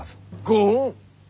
ご恩？